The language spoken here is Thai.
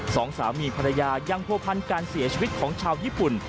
สองสามีภรรยายังผัวพันการเสียชีวิตของชาวญี่ปุ่น